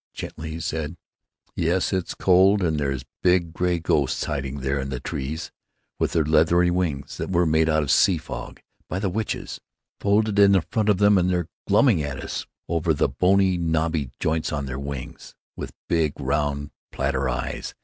Gently he said: "Yes, it's cold, and there's big gray ghosts hiding there in the trees, with their leathery wings, that were made out of sea fog by the witches, folded in front of them, and they're glumming at us over the bony, knobly joints on top their wings, with big, round platter eyes.